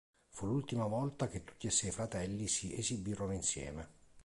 Fu l'ultima volta che tutti e sei i fratelli si esibirono insieme.